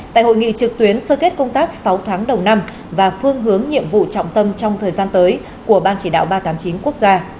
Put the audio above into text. tại hội nghị trực tuyến sơ kết công tác sáu tháng đầu năm và phương hướng nhiệm vụ trọng tâm trong thời gian tới của ban chỉ đạo ba trăm tám mươi chín quốc gia